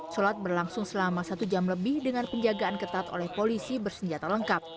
sholat berlangsung selama satu jam lebih dengan penjagaan ketat oleh polisi bersenjata lengkap